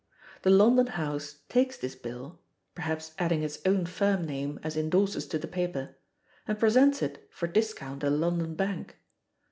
The London house takes this bill (perhaps adding its own firm name as indorsers to the paper), and presents it for discount at a London bank.